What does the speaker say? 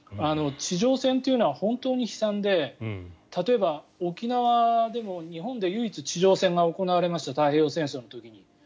地上戦というのは本当に悲惨で例えば沖縄でも日本で唯一地上戦が行われました太平洋戦争の時に。